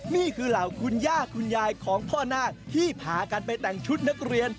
เหล่าคุณย่าคุณยายของพ่อนาคที่พากันไปแต่งชุดนักเรียน